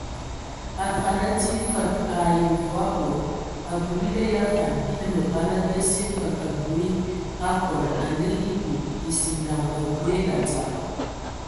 Afan atii fəg ai mvɔi bod, abui, bile ya afan bi nə məbala bia sye fəg abui akɔn anə ekug, esingan aboe adzab.